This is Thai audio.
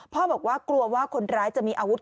บอกว่ากลัวว่าคนร้ายจะมีอาวุธ